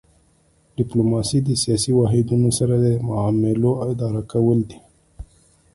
ډیپلوماسي د سیاسي واحدونو سره د معاملو اداره کول دي